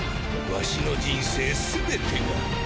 ワシの人生全てが！